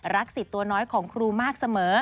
สิทธิ์ตัวน้อยของครูมากเสมอ